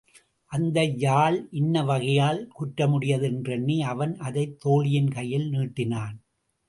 அந்த யாழ் இன்ன வகையால் குற்றமுடையது என்றெண்ணி அவன் அதைத் தோழியின் கையில் நீட்டினான்.